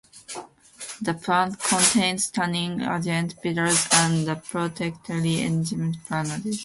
The plant contains tanning agents, bitters, and the proteolytic enzyme primverase.